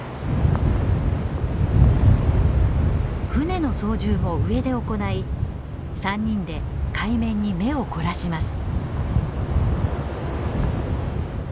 船の操縦も上で行い３人で海面に目を凝らします。